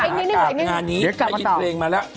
หากลับงานนี้ถ้ายินเพลงมาแล้ว